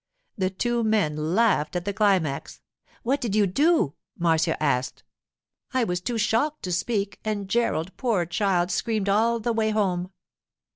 The two men laughed at the climax. 'What did you do?' Marcia asked. 'I was too shocked to speak, and Gerald, poor child, screamed all the way home.